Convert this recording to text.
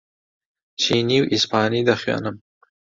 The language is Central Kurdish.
چینی و ئیسپانی دەخوێنم.